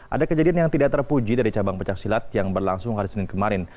ada kejadian yang tidak terpuji dari cabang pecah silat yang berlangsung hari senin kemarin